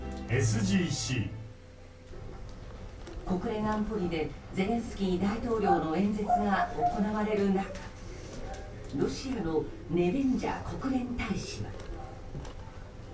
国連安保理でゼレンスキー大統領の演説が行われる中ロシアのネベンジャ国連大使は。